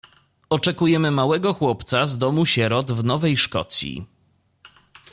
Oczekujemy małego chłopca z Domu Sierot, w Nowej Szkocji.